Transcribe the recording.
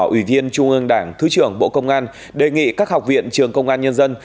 ủy viên trung ương đảng thứ trưởng bộ công an đề nghị các học viện trường công an nhân dân